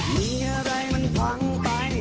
มีอะไรมันพังไป